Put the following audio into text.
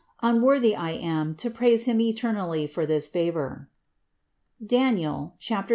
Unworthy I am to praise Him eternally for this favor (Dan. 3, 53).